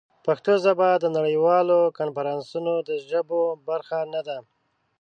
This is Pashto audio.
پښتو ژبه د نړیوالو کنفرانسونو د ژبو برخه نه ده.